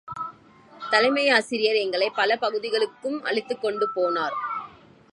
தலைமை ஆசிரியை எங்களைப் பல பகுதிகளுக்கும் அழைத்துக்கொண்டு போனார்.